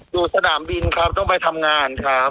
อยู่สนามบินครับต้องไปทำงานครับ